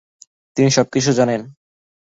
তিনি সবকিছু জানেন।